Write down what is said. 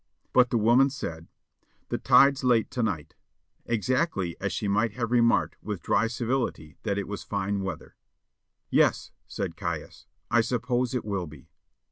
But the woman said, "The tide's late to night," exactly as she might have remarked with dry civility that it was fine weather. "Yes," said Caius, "I suppose it will be."